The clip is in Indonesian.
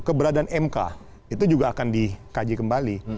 keberadaan mk itu juga akan dikaji kembali